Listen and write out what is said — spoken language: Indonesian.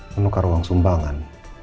menukar uang sumbangan